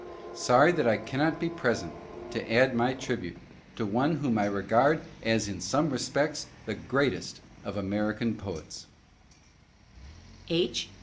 Sorry that I cannot be present to add my tribute to one whom I regard as in some respects the greatest of American poets. (7i) THEN, POSTSCRIPT* H.